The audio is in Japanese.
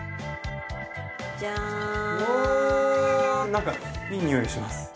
なんかいい匂いがします。